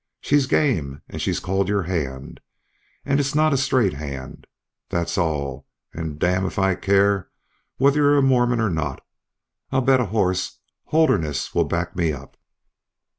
She's game, an' she's called your hand. An' it's not a straight hand. Thet's all, an' d n if I care whether you are a Mormon or not. I'll bet a hoss Holderness will back me up."